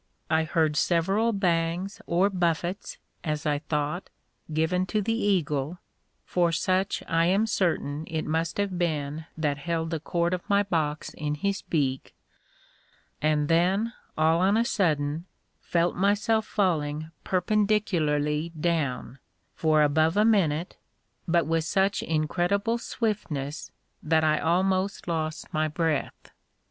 I heard several bangs or buffets, as I thought, given to the eagle (for such I am certain it must have been that held the cord of my box in his beak), and then, all on a sudden, felt myself falling perpendicularly down, for above a minute, but with such incredible swiftness, that I almost lost my breath.